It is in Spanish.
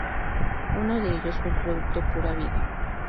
Uno de ellos fue el producto Pura Vida.